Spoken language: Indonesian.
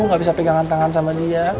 nggak bisa pegangan tangan sama dia